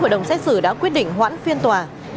hội đồng xét xử đã quyết định hoãn phiên tòa